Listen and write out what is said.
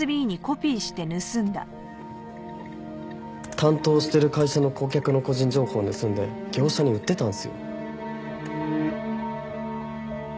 担当してる会社の顧客の個人情報盗んで業者に売ってたんすよ。